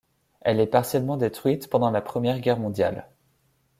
Elle est partiellement détruite pendant la Première Guerre mondiale.